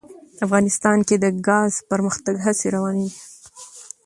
افغانستان کې د ګاز د پرمختګ هڅې روانې دي.